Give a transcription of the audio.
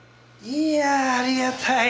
いやあありがたい。